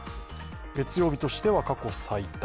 月曜日としては過去最多。